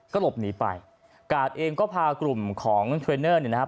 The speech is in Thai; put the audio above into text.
ก็หลบหนีไปกาดเองก็พากลุ่มของเทรนเนอร์เนี่ยนะครับ